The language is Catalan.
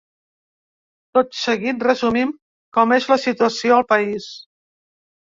Tot seguit, resumim com és la situació al país.